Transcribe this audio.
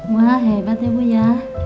wah hebat ya bu ya